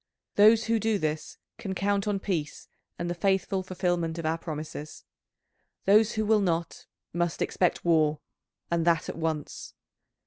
Those who do this can count on peace and the faithful fulfilment of our promises; those who will not, must expect war, and that at once.